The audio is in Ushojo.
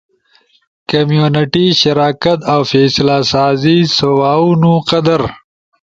کمیونٹی شراکت اؤ فیصلہ سازی۔ سوہاونو قدر۔